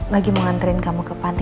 lagi mau nganterin kamu ke panti